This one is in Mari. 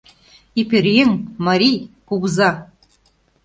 И пӧръеҥ, марий, кугыза!